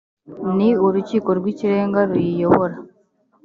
ni urukiko rw’ikirenga ruyiyobora